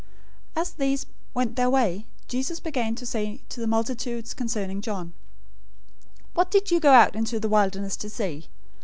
011:007 As these went their way, Jesus began to say to the multitudes concerning John, "What did you go out into the wilderness to see?